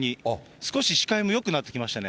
少し視界もよくなってきましたね。